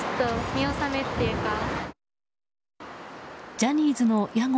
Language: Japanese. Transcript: ジャニーズの屋号